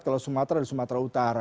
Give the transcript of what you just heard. kalau sumatera dan sumatera utara